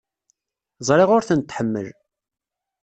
Ẓriɣ ur tent-tḥemmel.